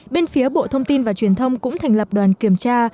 bên phía bộ thông tin và truyền thông cũng thành lập đoàn kiểm tra